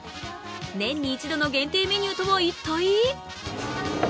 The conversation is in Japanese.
年に一度の限定メニューとは一体？